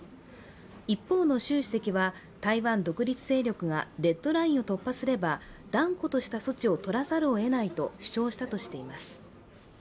一方の習主席は台湾独立勢力がデッドラインを突破すれば断固とした措置を取らざるをえないと主張したとしています。